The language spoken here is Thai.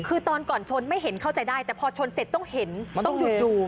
คือตอนก่อนชนไม่เห็นเข้าใจได้แต่พอชนเสร็จต้องเห็นต้องหยุดดู